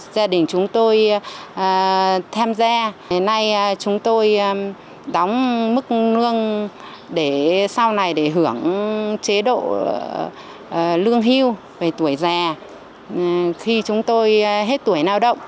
gia đình chúng tôi tham gia nay chúng tôi đóng mức lương để sau này để hưởng chế độ lương hưu về tuổi già khi chúng tôi hết tuổi lao động